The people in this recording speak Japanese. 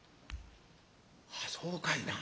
ああそうかいな。